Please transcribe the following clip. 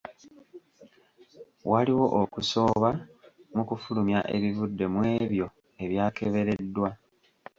Waliwo okusooba mu kufulumya ebivudde mu ebyo ebyakebereddwa.